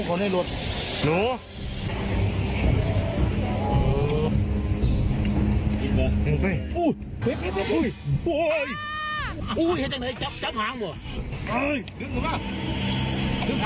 ไม่อะไรอันนี้